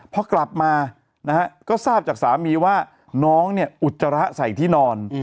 พอกลับมานะฮะก็ทราบจากสามีว่าน้องเนี่ยอุจจาระใส่ที่นอน